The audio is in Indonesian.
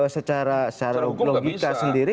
secara logika sendiri